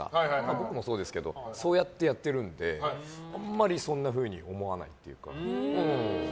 僕もそうですけどそうやってやってるのであんまりそんなふうに思わないというか。